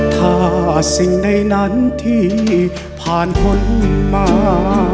ถ้าสิ่งใดนั้นที่ผ่านพ้นมา